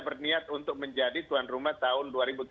berniat untuk menjadi tuan rumah tahun